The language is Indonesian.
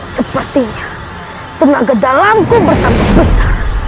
sepertinya tenaga dalamku bersambung besar